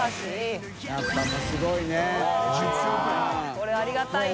これありがたいよ。